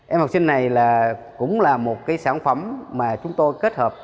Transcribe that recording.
em học sinh này cũng là một cái sản phẩm mà chúng tôi kết hợp